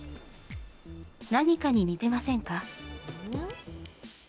何かに似てませんか。